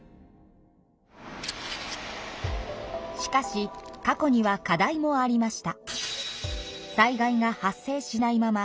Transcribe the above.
しかし過去には課題もありました。